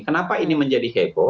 kenapa ini menjadi hepo